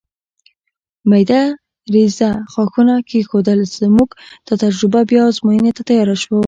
مېده رېزه ښاخونه کېښودل، زموږ دا تجربه بیا ازموینې ته تیاره شوه.